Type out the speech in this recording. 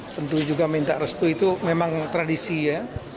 tentu juga minta restu itu memang tradisi ya